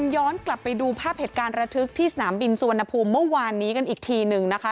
ย้อนกลับไปดูภาพเหตุการณ์ระทึกที่สนามบินสุวรรณภูมิเมื่อวานนี้กันอีกทีหนึ่งนะคะ